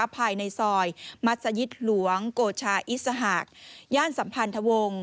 ภายในซอยมัศยิตหลวงโกชาอิสหากย่านสัมพันธวงศ์